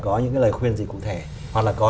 có những cái lời khuyên gì cụ thể hoặc là có